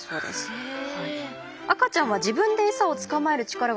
へえ。